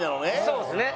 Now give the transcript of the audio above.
そうですね。